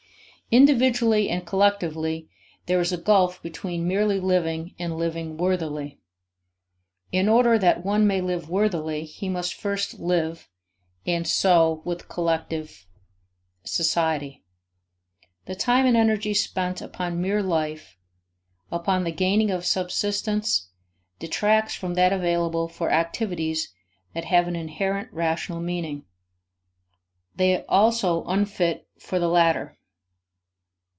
Individually and collectively there is a gulf between merely living and living worthily. In order that one may live worthily he must first live, and so with collective society. The time and energy spent upon mere life, upon the gaining of subsistence, detracts from that available for activities that have an inherent rational meaning; they also unfit for the latter.